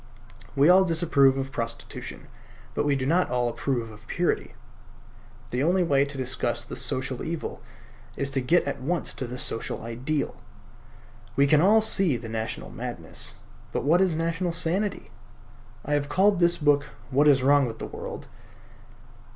We all disapprove of prostitution; but we do not all approve of purity. The only way to discuss the social evil is to get at once to the social ideal. We can all see the national madness; but what is national sanity? I have called this book "What Is Wrong with the World?"